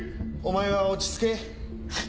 お前は落ち着け。